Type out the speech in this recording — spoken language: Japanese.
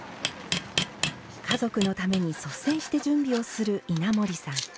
家族のために率先して準備をする稲森さん。